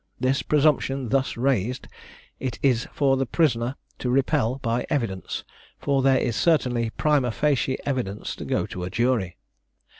This presumption thus raised it is for the prisoner to repel by evidence, but there is certainly prima facie evidence to go to a jury.